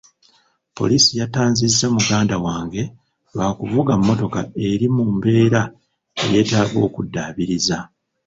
Poliisi yatanzizza muganda wange lwa kuvuga mmotoka eri mu mbeera eyetaaga okuddaabiriza.